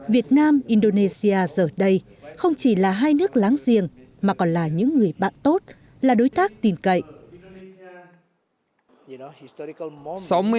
việt nam indonesia giờ đây không chỉ là hai nước láng giềng mà còn là những người bạn tốt là đối tác tình cậy